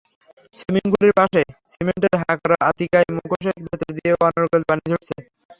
সুইমিংপুলের পাশে সিমেন্টের হাঁ করা অতিকায় মুখোশের ভেতর দিয়ে অনর্গল পানি ঝরছে।